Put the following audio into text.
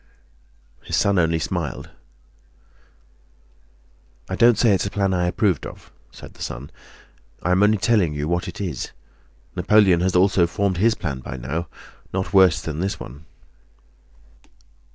His son only smiled. "I don't say it's a plan I approve of," said the son; "I am only telling you what it is. Napoleon has also formed his plan by now, not worse than this one."